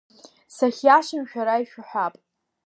Сахьиашам, шәара ишәҳәап.